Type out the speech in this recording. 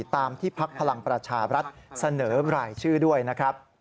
ตามที่พักพลังประชาบรัฐเสนอรายชื่อด้วยนะครับ